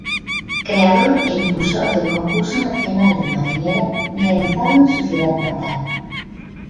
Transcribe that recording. Creador e impulsor del Concurso Nacional de Marinera realizado en su ciudad natal.